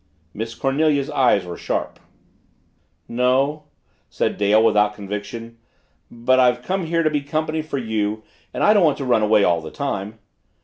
Miss Cornelia's eyes were sharp. "No," said Dale without conviction, "but I've come here to be company for you and I don't want to run away all the time."